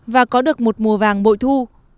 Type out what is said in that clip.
và có được một mùa vàng bội thu